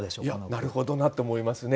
なるほどなって思いますね。